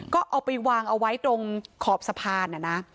ก็เอาไปวางเอาไว้ตรงขอบสะพาน